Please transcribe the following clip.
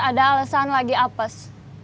ada alasan lagi apes